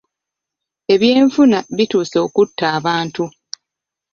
Ebyenfuna bituuse okutta abantu.